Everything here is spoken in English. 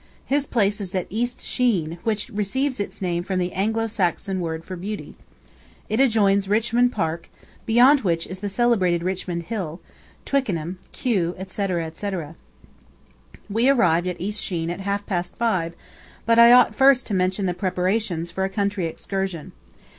His place is at East Sheen, which receives its name from the Anglo Saxon word for beauty. It adjoins Richmond Park, beyond which is the celebrated Richmond Hill, Twickenham, Kew, etc., etc. ... We arrived at East Sheen at half past five; but I ought first to mention the preparations for a country excursion.